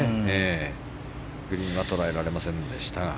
グリーンは捉えられませんでしたが。